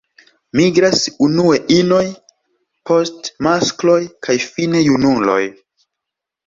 Migras unue inoj, poste maskloj kaj fine junuloj.